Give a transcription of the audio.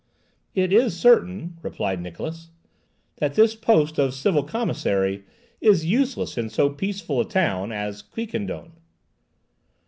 "It is certain," replied Niklausse, "that this post of civil commissary is useless in so peaceful a town as Quiquendone."